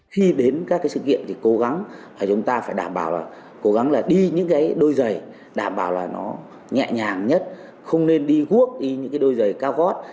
khi đến các sự kiện thì cố gắng chúng ta phải đảm bảo là đi những đôi giày đảm bảo là nó nhẹ nhàng nhất không nên đi cuốc đi những đôi giày cao gót